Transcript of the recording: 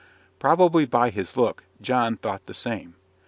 Probably, by his look, John thought the same.